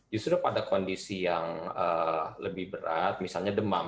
justru pada kondisi yang lebih berat misalnya demam